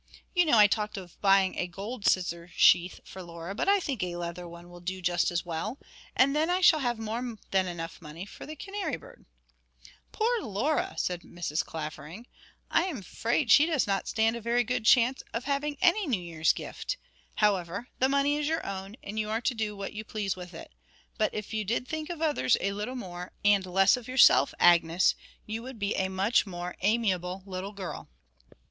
You know I talked of buying a gold scissor sheath for Laura, but I think a leather one will do just as well. And then I shall have more than money enough for the canary bird.' 'Poor Laura!' said Mrs. Clavering. 'I am afraid she does not stand a very good chance of having any New Year's gift. However, the money is your own, and you are to do what you please with it. But if you did think of others a little more, and less of yourself, Agnes, you would be a much more amiable little girl.'